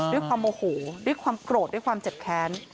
ด้วยความโมโหด้วยความโกรธด้วยความเจ็บแค้น